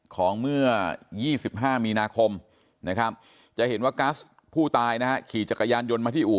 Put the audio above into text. ของเมื่อ๒๕มีนาคมนะครับจะเห็นว่ากัสผู้ตายนะฮะขี่จักรยานยนต์มาที่อู่